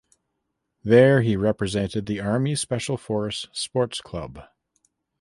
There he represented the Army Special Force Sports Club.